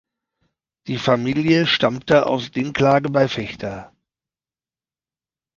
Die Familie stammte aus Dinklage bei Vechta.